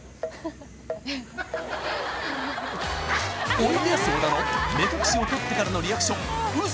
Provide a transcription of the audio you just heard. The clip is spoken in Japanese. おいでやす小田の目隠しを取ってからのリアクションウソ？